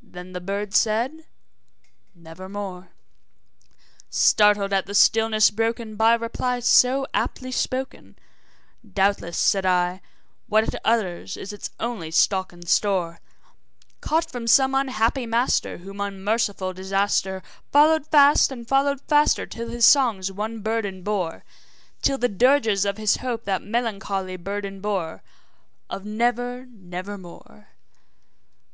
Then the bird said, `Nevermore.' Startled at the stillness broken by reply so aptly spoken, `Doubtless,' said I, `what it utters is its only stock and store, Caught from some unhappy master whom unmerciful disaster Followed fast and followed faster till his songs one burden bore Till the dirges of his hope that melancholy burden bore Of "Never nevermore."'